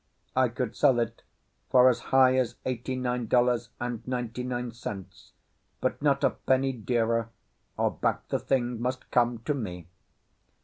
I could sell it for as high as eighty nine dollars and ninety nine cents, but not a penny dearer, or back the thing must come to me.